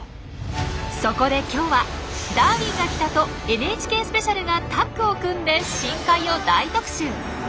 そこで今日は「ダーウィンが来た！」と「ＮＨＫスペシャル」がタッグを組んで深海を大特集。